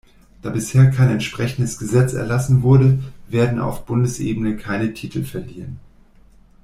Da bisher kein entsprechendes Gesetz erlassen wurde, werden auf Bundesebene keine Titel verliehen.